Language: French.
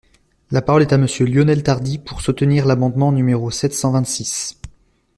La parole est à Monsieur Lionel Tardy, pour soutenir l’amendement numéro sept cent vingt-six.